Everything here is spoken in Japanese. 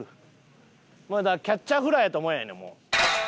キャッチャーフライやと思えばええねんもう。